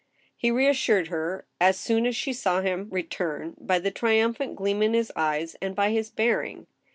He reassured her, as soon as she saw him return, by the tri umphant gleam in his eyes, and by his bearing.